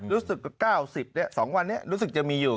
รู้สึกก็๙๐เนี่ย๒วันเนี่ยรู้สึกจะมีอยู่